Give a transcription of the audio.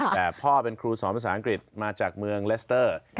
แต่พ่อเป็นครูสอนภาษาอังกฤษมาจากเมืองเลสเตอร์